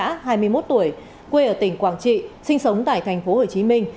đỗ tân thanh nhã hai mươi một tuổi quê ở tỉnh quảng trị sinh sống tại thành phố hồ chí minh